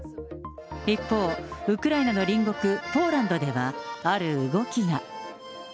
一方、ウクライナの隣国、ポーランドでは、ある動きが。